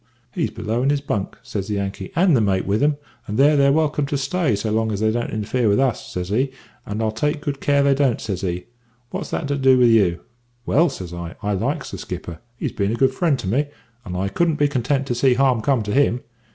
"`He's below in his bunk,' says the Yankee, `and the mate with him, and there they're welcome to stay so long as they don't interfere with us,' says he, `and I'll take good care they don't,' says he. `But what's that to do with you?' "`Well,' says I, `I likes the skipper; he's been a good friend to me, and I couldn't be content to see harm come to him.